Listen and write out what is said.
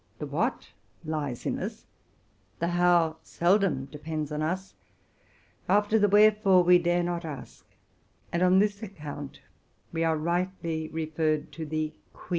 The what lies in us, the how seldom depends on us, after the wherefore we dare not ask, and on this account we are rightly referred to the quia.